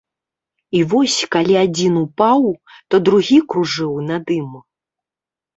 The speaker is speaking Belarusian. І вось калі адзін упаў, то другі кружыў над ім.